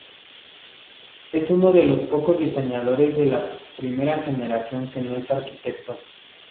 Es uno de los pocos diseñadores de la primera generación que no es arquitecto.